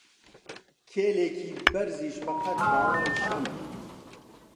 کیلێکی بەرزیش بە قەت باڵای شەم